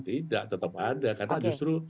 tidak tetap ada karena justru